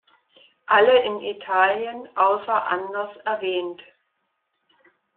Alle in Italien außer anders erwähnt.